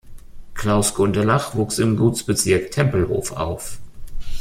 Klaus Gundelach wuchs im Gutsbezirk Tempelhof auf.